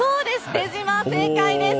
出島、正解です。